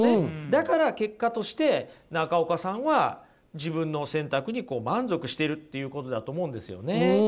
だから結果として中岡さんは自分の選択にこう満足しているっていうことだと思うんですよね。